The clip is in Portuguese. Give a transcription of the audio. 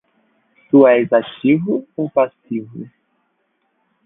Tu és ativo ou passivo?